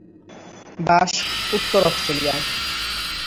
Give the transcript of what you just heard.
বাস উত্তর অষ্ট্রেলিয়ায়।